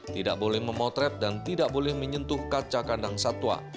tidak boleh memotret dan tidak boleh menyentuh kaca kandang satwa